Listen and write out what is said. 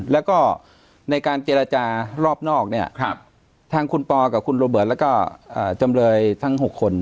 และในการเจรจารอบนอกทั้งคุณปออกับคุณโรเบิตและจำเลยทั้ง๖คน